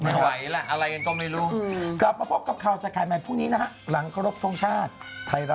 อีกคนที่ถูกพลาดพินถึงอาจจะเป็น